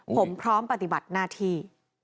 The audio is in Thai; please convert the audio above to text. ผมพร้อมปฏิบัติหน้าที่